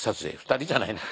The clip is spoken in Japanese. ２人じゃない。